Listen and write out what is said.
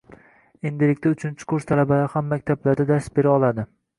Endilikda uchinchi kurs talabalari ham maktablarda dars bera oladi.